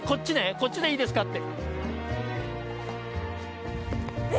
こっちでいいですかって。